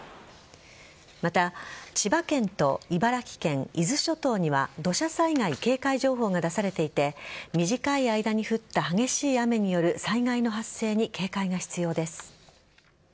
また、千葉県と茨城県伊豆諸島には土砂災害警戒情報が出されていて短い間に降った激しい雨による災害の発生に警戒が必要です。